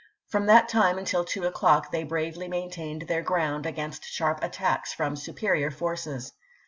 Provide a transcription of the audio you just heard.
From that time until two o'clock they bravely maintained their ground against sharp attacks from superior forces.